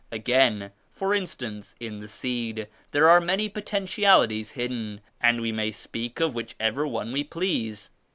Again — for instance, in the seed there are many potentialities hidden and we may speak of whichever one we please.